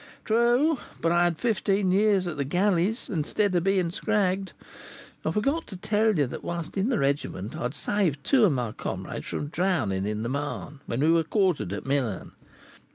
"True; but I had fifteen years at the galleys instead of being 'scragged.' I forgot to tell you that whilst in the regiment I had saved two of my comrades from drowning in the Marne, when we were quartered at Milan.